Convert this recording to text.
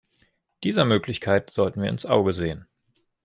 Dieser Möglichkeit sollten wir ins Auge sehen.